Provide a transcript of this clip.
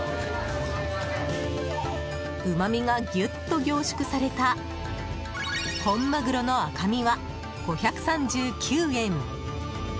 うまみがぎゅっと凝縮された本マグロの赤身は５３９円。